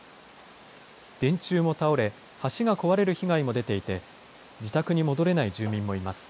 電柱も倒れ、橋が壊れる被害も出ていて、自宅に戻れない住民もいます。